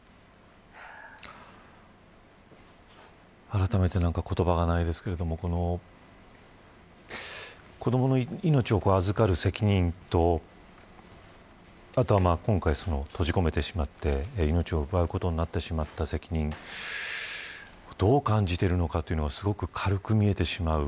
あらためて、言葉がないですが子どもの命を預かる責任とあと今回閉じ込めてしまって命を奪うことになってしまった責任をどう感じているのかというのがすごく軽く見えてしまう。